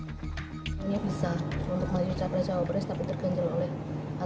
ini bisa untuk maju capres cawapres tapi terganjel oleh